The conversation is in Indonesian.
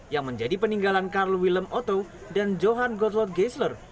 yang menjadi peninggalan karl wilhelm otto dan johann gottlob geisler